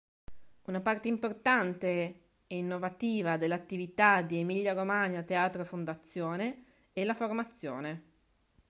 Una parte importante e innovativa dell'attività di Emilia Romagna Teatro Fondazione è la formazione.